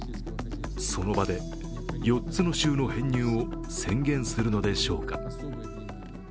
その場で、４つの州の編入を宣言するのでしょうか。